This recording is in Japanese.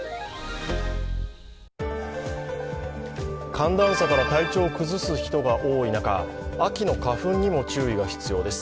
寒暖差から体調を崩す人が多い中、秋の花粉にも注意が必要です。